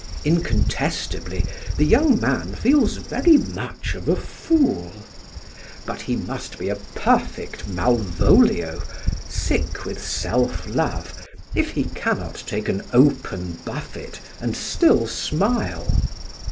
Incontestably the young man feels very much of a fool; but he must be a perfect Malvolio, sick with self love, if he cannot take an open buffet and still smile.